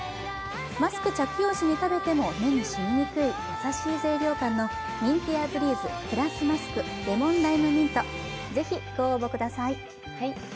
マスク着用時に食べても目にしみにくい優しい清涼感のミンティアブリーズ＋ＭＡＳＫレモンライムミント、ぜひご応募ください。